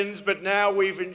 tapi sekarang kita memastikan